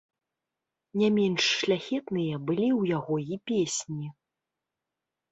Не менш шляхетныя былі ў яго і песні.